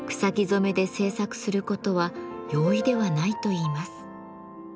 染めで制作することは容易ではないといいます。